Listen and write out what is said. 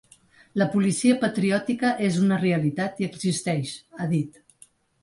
La policia patriòtica és una realitat i existeix, ha dit.